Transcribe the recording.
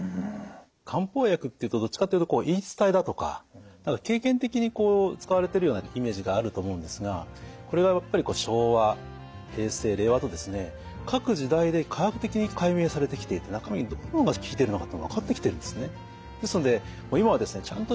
漢方薬っていうとどっちかっていうと言い伝えだとか経験的にこう使われているようなイメージがあると思うんですがこれがやっぱり昭和平成令和とですね各時代で科学的に解明されてきていて中身のどの部分が効いてるのかっていうのが分かってきてるんですね。